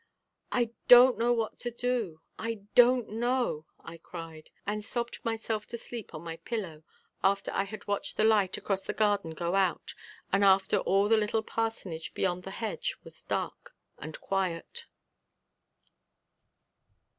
"I don't know what to do, I don't know," I cried, and sobbed myself to sleep on my pillow after I had watched the light across the garden go out and after all in the little parsonage beyond the hedge was dark and quiet.